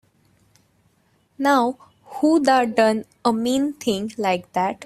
Now who'da done a mean thing like that?